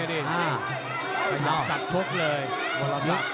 พยายามสักชกเลย